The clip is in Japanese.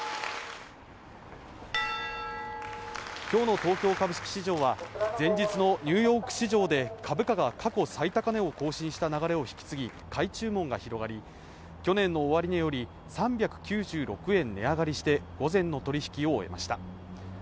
きょうの東京株式市場は前日のニューヨーク市場で株価が過去最高値を更新した流れを引き継ぎ買い注文が広がり去年の終値より３９６円値上がりして午前の取り引きを終えました